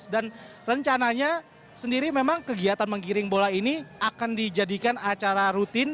dan rencananya sendiri memang kegiatan menggiring bola ini akan dijadikan acara rutin